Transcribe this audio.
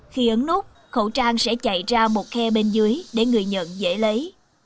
khi ấn nút khẩu trang sẽ chạy ra một khe bên dưới để người nhận dễ lấy